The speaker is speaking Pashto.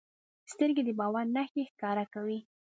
سترګې د باور نښې ښکاره کوي